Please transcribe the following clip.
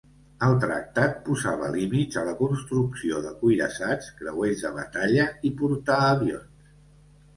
El tractat posava límits a la construcció de cuirassats, creuers de batalla i portaavions.